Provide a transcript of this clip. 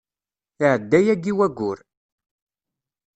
Iɛedda yagi wayyur.